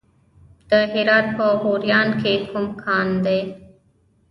د هرات په غوریان کې کوم کان دی؟